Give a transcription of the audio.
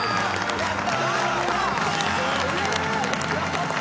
やった！